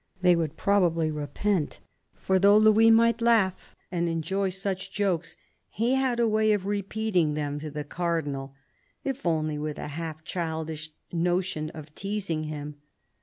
They would probably repent; for though Louis might laugh and enjoy such jokes, he had a way of repeating them to the Cardinal, if only with a half childish notion of teasing him.